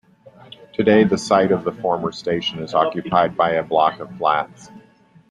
Today the site of the former station is occupied by a block of flats.